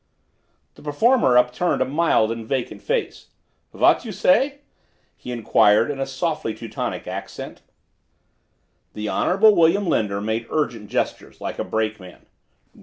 The performer upturned a mild and vacant face. "What you say?" he inquired in a softly Teutonic accent. The Honorable William Linder made urgent gestures, like a brakeman.